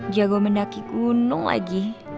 jago mendaki gunung lagi